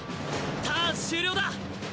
ターン終了だ。